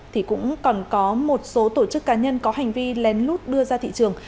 thì cũng còn có một số tổ chức cá nhân có hành vi lén lút đưa ra thị trường